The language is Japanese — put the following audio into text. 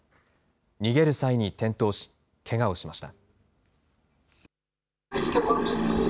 逃げる際に転倒し、けがをしました。